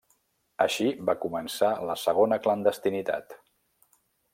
Així va començar la segona clandestinitat.